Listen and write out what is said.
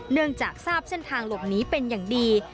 เนื่องจากทราบเส้นทางหลบหนีเป็นอย่างดี